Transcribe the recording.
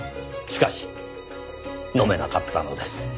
しかし飲めなかったのです。